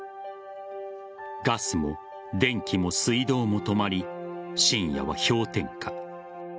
ガスも電気も水道も止まり深夜は氷点下。